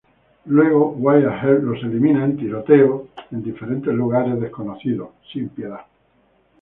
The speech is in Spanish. Luego, Wyatt Earp los elimina en tiroteos en diferentes lugares desconocidos, sin piedad.